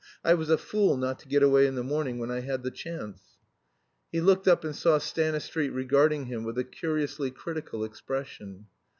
"I was a fool not to get away in the morning when I had the chance." He looked up and saw Stanistreet regarding him with a curiously critical expression.